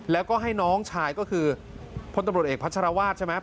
แล้วก็ให้น้องชายก็คือพลตำรวจเอกพัชรวาสใช่ไหม